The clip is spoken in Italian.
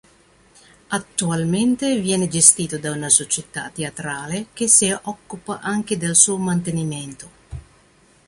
Attualmente viene gestito da una società teatrale che si occupa anche del suo mantenimento.